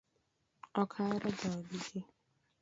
Ok ahero dhao gi ji